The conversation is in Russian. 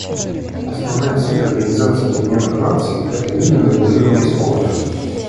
Основная цель Организации Объединенных Наций — это мирное урегулирование споров.